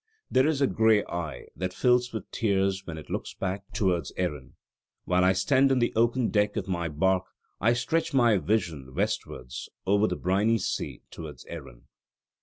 "There is a grey eye that fills with tears when it looks back towards Erin. While I stand on the oaken deck of my bark I stretch my vision westwards over the briny sea towards Erin."